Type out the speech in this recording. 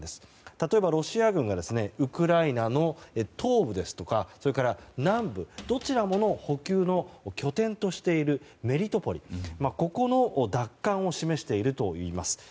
例えば、ロシア軍がウクライナの東部ですとかそれから南部、どちらも補給の拠点としているメリトポリの奪還を示しているといいます。